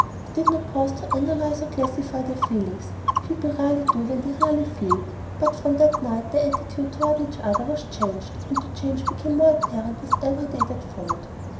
They did not pause to analyze or classify their feelings, people rarely do when they really feel; but from that night their attitude toward each other was changed, and the change became more apparent with every day that followed.